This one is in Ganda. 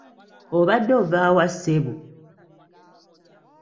Obadde ova wa ssebo?